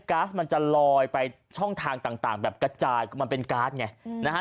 ๊าซมันจะลอยไปช่องทางต่างแบบกระจายมันเป็นการ์ดไงนะฮะ